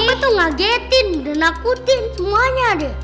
aku tuh ngagetin dan nakutin semuanya deh